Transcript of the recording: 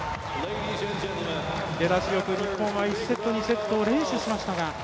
出だしよく日本は１セット２セットを連取しましたが。